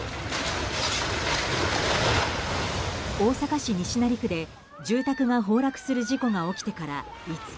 大阪市西成区で住宅が崩落する事故が起きてから５日。